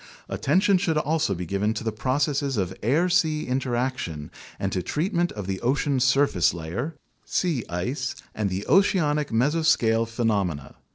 Attention should also be given to the processes of air sea interaction and to treatment of the ocean's surface layer, sea ice, and the oceanic mesoscale phe nomena.